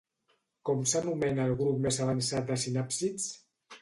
Com s'anomena el grup més avançat de sinàpsids?